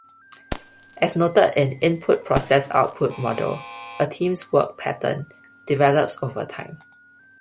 As noted in Input-Process-Output Model a team's work pattern develops over time.